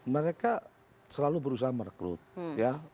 mereka selalu berusaha merekrut ya